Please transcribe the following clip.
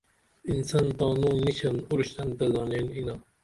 انسن تانو نیڜن اُشترن تہ زانین یینا